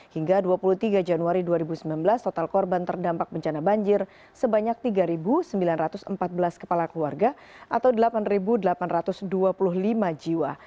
hingga dua puluh tiga januari dua ribu sembilan belas total korban terdampak bencana banjir sebanyak tiga sembilan ratus empat belas kepala keluarga atau delapan delapan ratus dua puluh lima jiwa